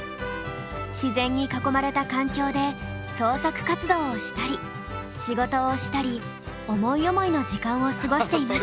自然に囲まれた環境で創作活動をしたり仕事をしたり思い思いの時間を過ごしています。